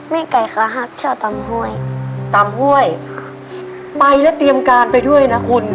ไม่ไกลค่ะหักเที่ยวตำห้วยตำห้วยไปแล้วเตรียมการไปด้วยนะคุณ